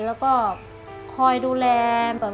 แล้วก็คอยดูแลแบบ